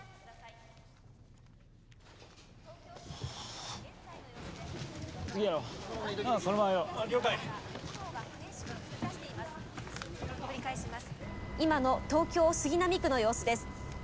今の東京・杉並区の様子です。